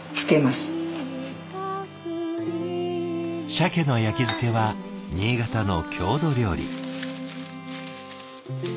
シャケの焼き漬けは新潟の郷土料理。